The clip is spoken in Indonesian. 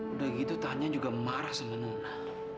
udah gitu tanya juga marah sama nona